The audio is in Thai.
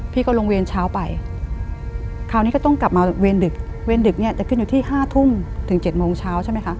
พี่ก็ลงเวรเช้าไปคราวนี้ก็ต้องกลับมาเวรดึกเวรดึกเนี่ยจะขึ้นอยู่ที่ห้าทุ่มถึง๗โมงเช้าใช่ไหมคะ